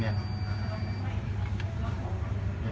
มันรอบกันอีก